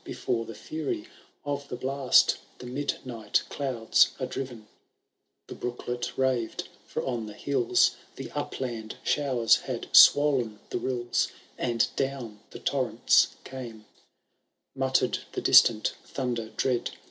Before the fury of the blast The midnight clouds are diivem The brooklet raved, for on the hills The upland showers had swoln the iill% And down the torrents came ; Muttered the distant thunder dread.